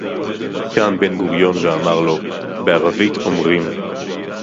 קם בן-גוריון ואמר לו: בערבית אומרים